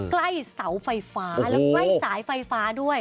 ใกล้เสาไฟฟ้าแล้วใกล้สายไฟฟ้าด้วย